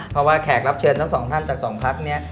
เพราะว่าแขกรับเชิญทั้งสองท่านจากสองพักนี้